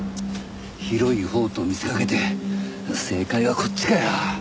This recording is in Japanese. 広いほうと見せかけて正解はこっちかよ。